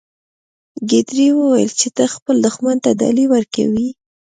ګیدړې وویل چې ته خپل دښمن ته ډالۍ ورکوي.